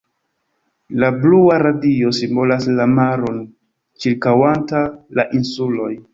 La blua radio simbolas la maron ĉirkaŭanta la insuloj.